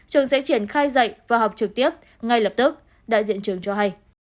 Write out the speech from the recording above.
trường sẽ triển khai dạy và học trực tiếp ngay lập tức đại diện trường cho hay